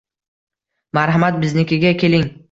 Marhamat, biznikiga keling.